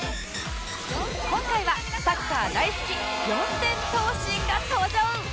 今回はサッカー大好き四千頭身が登場！